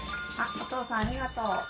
お父さんありがとう。